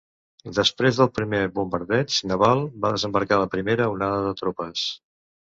Després del primer bombardeig naval va desembarcar la primera onada de tropes.